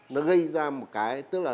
nó gây ra một cái tức là